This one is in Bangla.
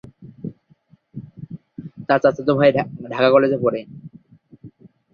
তার চাচাতো ভাই ঢাকা কলেজে পড়ে।